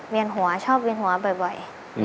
เวียนหัวชอบเวียนหัวบ่อย